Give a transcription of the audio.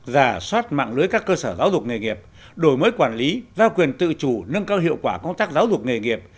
giả soát mạng lưới các cơ sở giáo dục nghề nghiệp đổi mới quản lý giao quyền tự chủ nâng cao hiệu quả công tác giáo dục nghề nghiệp